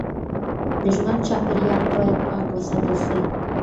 د ژوند چاپیریال باید پاک وساتل سي.